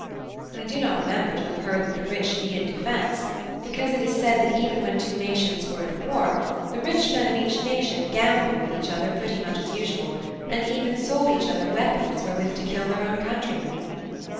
(I) I do not remember to have heard that the rich needed defence; because it is said that even when two nations were at war, the rich men of each nation gambled with each other pretty much as usual, and even sold each other weapons wherewith to kill their own countrymen.